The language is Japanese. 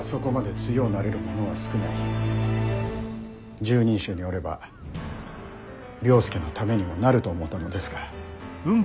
拾人衆におれば了助のためにもなると思うたのですが。